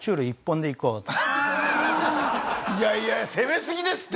いやいや攻めすぎですって！